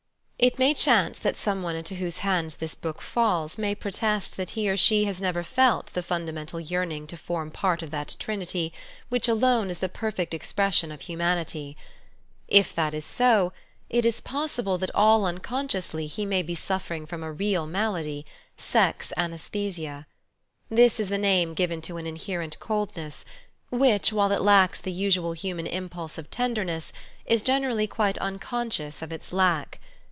It may chance that someone into whose hands this book falls may protest that he or she has never felt the fundamental yearning to form a part of that trinity which alone is the perfect expression of humanity. If 4 Married Love that is so, it is possible that all unconsciously he may be sufFering from a jreal malady— sex anaesthesia. This is the name given to an inherent coldness, which, while it lacks the usual human impulse of tenderness, is generally quite unconscious of its lack.